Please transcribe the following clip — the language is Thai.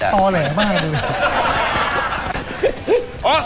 ต่อแหลมากเลย